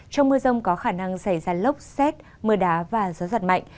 trong mưa rông có khả năng xảy ra lốc xét mưa đá và gió giật mạnh